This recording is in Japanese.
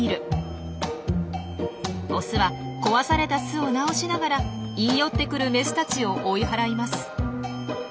オスは壊された巣を直しながら言い寄ってくるメスたちを追い払います。